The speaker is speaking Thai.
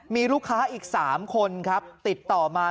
มีลูกค้าอีก๓คนครับติดต่อมา